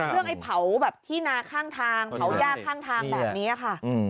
ไอ้เผาแบบที่นาข้างทางเผายากข้างทางแบบนี้ค่ะ